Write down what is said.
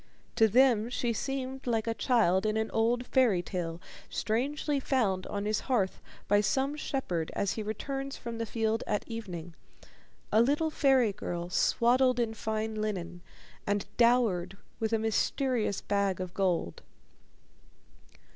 To them she seemed like a child in an old fairy tale strangely found on his hearth by some shepherd as he returns from the fields at evening a little fairy girl swaddled in fine linen, and dowered with a mysterious bag of gold.